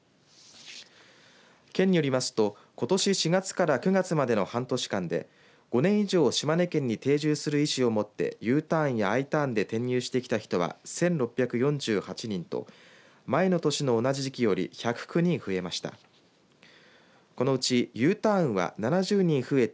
県によりますとことし４月から９月までの半年間で５年以上島根県に定住する意思をもってＵターンやＩターンで転入してきた人は１６４８人と前の年の同じ時期より１０９人増えました。